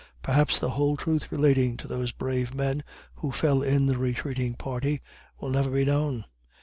Perhaps the whole truth relating to those brave men, who fell in the retreating party, will never be known.